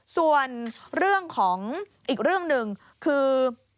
ส่วนเรื่องของอีกเรื่องหนึ่งคือ